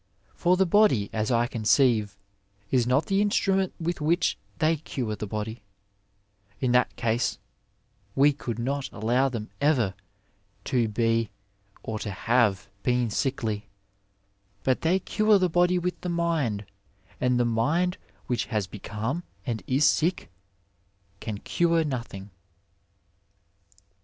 Fc^ the body, as I conceive, is not the in stroment with which they cure the body ; in that case we could not allow them ever to be or to have been sickly ; but they cure the body with the mind, and the mind which has become and is sick can cure nothing."